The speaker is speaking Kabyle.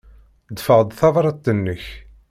Ḍḍfeɣ-d tabṛat-nnek.